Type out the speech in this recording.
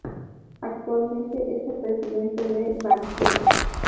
Actualmente es el presidente de Bankia.